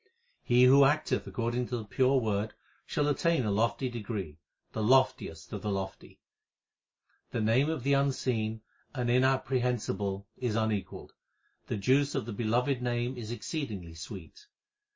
He who acteth according to the pure Word shall attain a lofty degree, the loftiest of the lofty. The Name of the Unseen and Inapprehensible is un equalled ; The juice of the beloved Name is exceeding sweet.